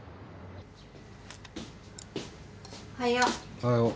おはよう。